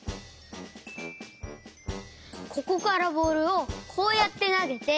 ここからボールをこうやってなげて。